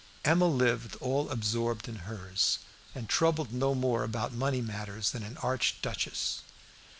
Emma lived all absorbed in hers, and troubled no more about money matters than an archduchess.